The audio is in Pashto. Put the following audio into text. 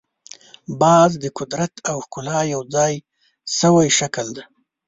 باز د قدرت او ښکلا یو ځای شوی شکل دی